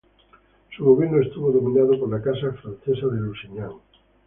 Su gobierno estuvo dominado por la Casa francesa de Lusignan.